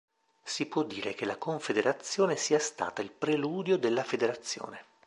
Si può dire che la confederazione sia stata il "preludio" della "federazione".